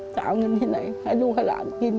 จะเอาเงินที่ไหนให้ลูกให้หลานกิน